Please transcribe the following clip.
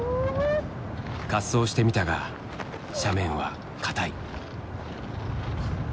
滑走してみたが斜面は固い。